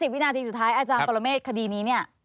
วินาทีสุดท้ายอาจารย์ปรเมฆคดีนี้เนี่ย